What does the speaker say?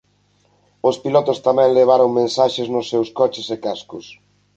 Os pilotos tamén levaron mensaxes nos seus coches e cascos.